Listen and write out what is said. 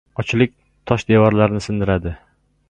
• Ochlik tosh devorlarni sindiradi.